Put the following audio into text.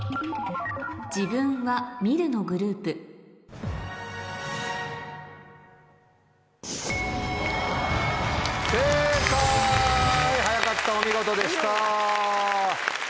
「自分」は「見る」のグループ正解早かったお見事でした。